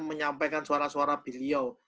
menyampaikan suara suara beliau